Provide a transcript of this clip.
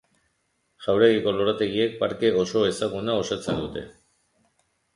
Jauregiko lorategiek parke oso ezaguna osatzen dute.